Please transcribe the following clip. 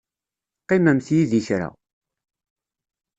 Qqimemt yid-i kra.